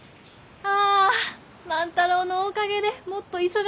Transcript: あ万太郎のおかげでもっと忙しゅうなるね！